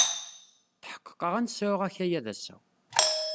Tḥeqqeɣ ad nesɛu akayad ass-a.